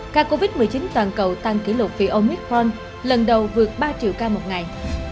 ca covid một mươi chín toàn cầu tăng kỷ lục vì omitforn lần đầu vượt ba triệu ca một ngày